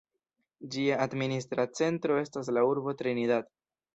Ĝia administra centro estas la urbo Trinidad.